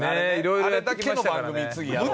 あれだけの番組次やろうや。